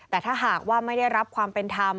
แต่ถ้าหากว่าไม่ได้รับความเป็นธรรม